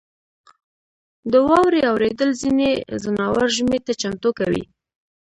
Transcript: • د واورې اورېدل ځینې ځناور ژمي ته چمتو کوي.